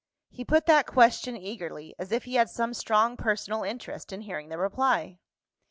He put that question eagerly, as if he had some strong personal interest in hearing the reply.